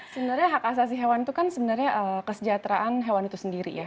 sebenarnya hak asasi hewan itu kan sebenarnya kesejahteraan hewan itu sendiri ya